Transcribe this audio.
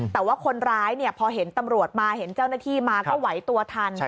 แต่ว่าคนร้ายพอเห็นตำรวจมาเห็นเจ้าหน้าที่มาก็ไหวตัวทัน